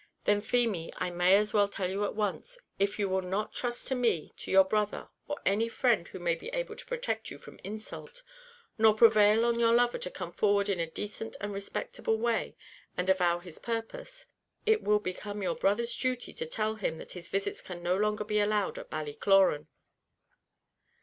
"Then, Feemy, I may as well tell you at once if you will not trust to me, to your brother, or any friend who may be able to protect you from insult nor prevail on your lover to come forward in a decent and respectable way, and avow his purpose it will become your brother's duty to tell him that his visits can no longer be allowed at Ballycloran."